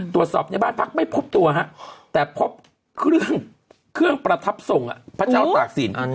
ตรวจสอบในบ้านพักไม่พบตัวฮะแต่พบเครื่องประทับทรงพระเจ้าตากศิลป์